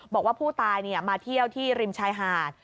บอกว่าผู้ตายมาเที่ยวที่ริมชายหาด